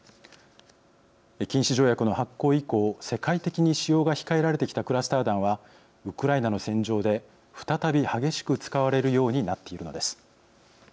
禁止条約の発効以降世界的に使用が控えられてきたクラスター弾はウクライナの戦場で再び激しく使われるようになっているのです。